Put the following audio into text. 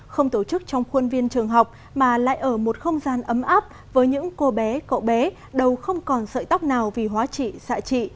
không tổ chức trong khuôn viên trường học mà lại ở một không gian ấm áp với những cô bé cậu bé đầu không còn sợi tóc nào vì hóa trị xạ trị